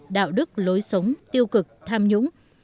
đạo đức lối sống tiêu cực tham nhũng